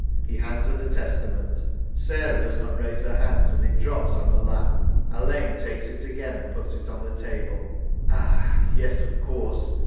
(He hands her the Tes tament. Sarah does not raise her hands, and it drops on her lap. Alleyne takes it again and puts it on the table) Ah, yes, of course